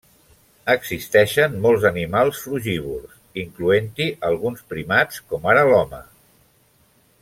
Existeixen molts animals frugívors, incloent-hi alguns primats com ara l'home.